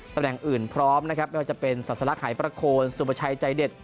ตำแหน่งอื่นพร้อมนะครับไม่ว่าจะเป็นศาสลักหายประโคนสุประชัยใจเด็ด